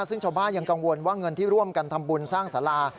ซึ่งชาวบ้านยังกังวลว่าเงินที่ร่วมกันทำบุญสร้างสารา